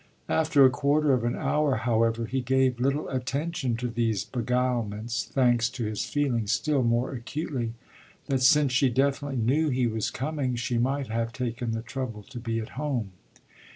After a quarter of an hour, however, he gave little attention to these beguilements, thanks to his feeling still more acutely that since she definitely knew he was coming she might have taken the trouble to be at home.